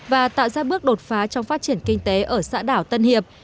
và tạo ra bước đột phá trong phát triển kinh tế ở xã đảo tân hiệp